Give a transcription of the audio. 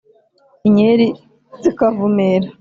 inyeri zikavumera,